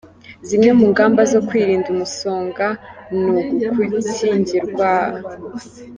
Zimwe mu ngamba zo kwirinda umusonga, ni ugukingirwa